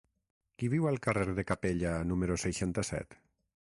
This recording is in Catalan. Qui viu al carrer de Capella número seixanta-set?